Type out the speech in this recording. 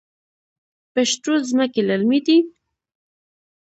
پشت رود ځمکې للمي دي؟